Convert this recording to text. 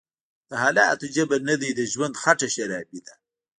دحالاتو_جبر_نه_دی_د_ژوند_خټه_شرابي_ده